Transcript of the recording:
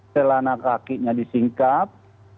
telana kakinya disingkap